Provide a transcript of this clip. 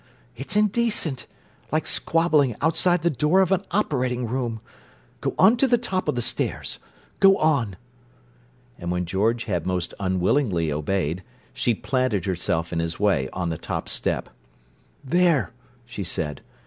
It's indecent—like squabbling outside the door of an operating room! Go on to the top of the stairs—go on!" And when George had most unwillingly obeyed, she planted herself in his way, on the top step. "There!" she said.